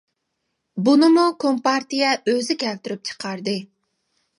بۇنىمۇ كومپارتىيە ئۆزى كەلتۈرۈپ چىقاردى.